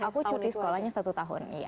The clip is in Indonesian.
aku cuti sekolahnya satu tahun iya